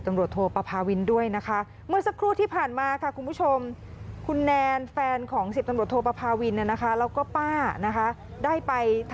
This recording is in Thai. แต่ถ้าไม่ได้ก็มีแผนที่จะเลื่อนออกไปเพราะเข้าใจสถานการณ์เลย